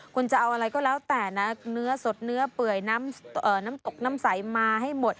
คุณจะเอาอะไรก็แล้วแต่นะเนื้อสดเนื้อเปื่อยน้ำตกน้ำใสมาให้หมด